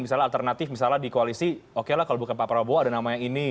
misalnya alternatif misalnya di koalisi oke lah kalau bukan pak prabowo ada nama yang ini